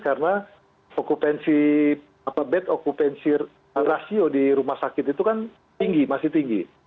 karena bad occupancy ratio di rumah sakit itu kan tinggi masih tinggi